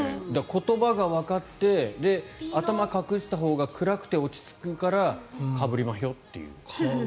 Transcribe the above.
言葉がわかって頭隠したほうが暗くて落ち着くからかぶりましょっていう。